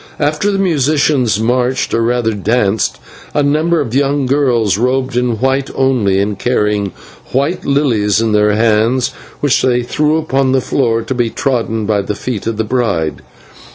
After the musicians marched, or rather danced, a number of young girls robed in white only, and carrying white lilies in their hands, which they threw upon the floor to be trodden by the feet of the bride.